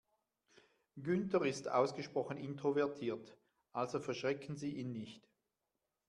Günther ist ausgesprochen introvertiert, also verschrecken Sie ihn nicht.